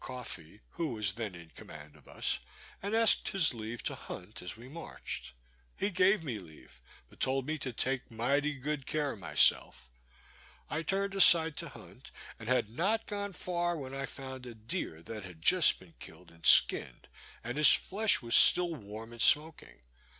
Coffee, who was then in command of us, and asked his leave to hunt as we marched. He gave me leave, but told me to take mighty good care of myself. I turned aside to hunt, and had not gone far when I found a deer that had just been killed and skinned, and his flesh was still warm and smoking.